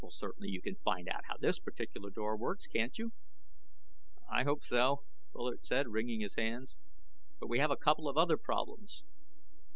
"Well, you certainly can find out how this particular door works, can't you?" "I hope so," Bullard said, wringing his hands. "But we have a couple of other problems.